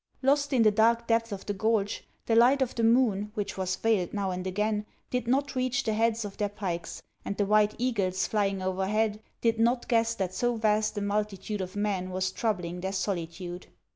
Lost in the dark depths of the gorge, the light of the moon, which was veiled now and again, did not reach the heads of their pikes, and the white eagles Hying overhead did not guess that so vast a multitude of men was troubling their solitude.